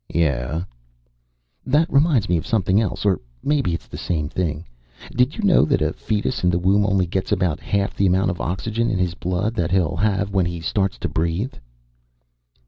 "Yeah." "That reminded me of something else, or maybe it's the same thing. Did you know that a fetus in the womb only gets about half the amount of oxygen in his blood that he'll have when he starts to breathe?"